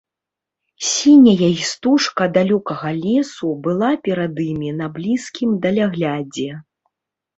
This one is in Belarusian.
Сіняя істужка далёкага лесу была перад імі на блізкім даляглядзе.